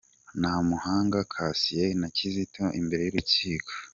Ntamuhanga Cassien na Kizito imbere y’urukiko.